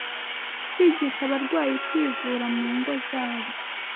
Kwigisha Abarwayi Kwivura mu Ngo Zabo